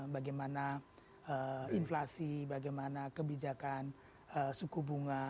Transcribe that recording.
bagaimana inflasi bagaimana kebijakan suku bunga